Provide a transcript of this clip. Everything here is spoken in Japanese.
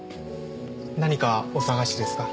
何かお探しですか？